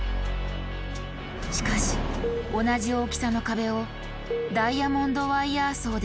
しかし同じ大きさの壁をダイヤモンドワイヤーソーで解体すると。